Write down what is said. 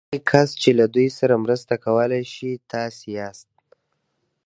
يوازېنی کس چې له دوی سره مرسته کولای شي تاسې ياست.